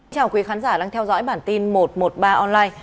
chào quý khán giả đang theo dõi bản tin một trăm một mươi ba online